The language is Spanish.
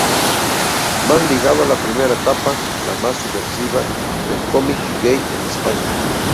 Más ligado a la primera etapa, la más subversiva, del cómic gay en España.